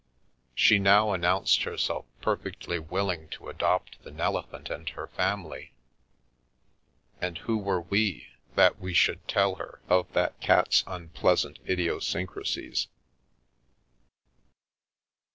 She now announced herself perfectly willing to adopt the Nele phant and her family, and who were we that we should tell her of that cat's unpleasant idiosyncrasies?